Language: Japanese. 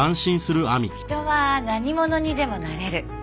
人は何者にでもなれる。